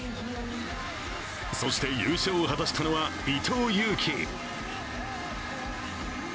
そして優勝を果たしたのは伊藤有希。